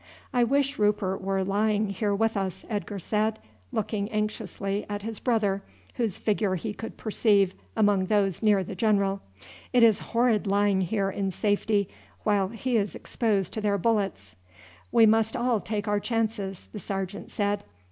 "I wish Rupert were lying here with us," Edgar said, looking anxiously at his brother, whose figure he could perceive among those near the general. "It is horrid lying here in safety while he is exposed to their bullets." "We must all take our chances," the sergeant said.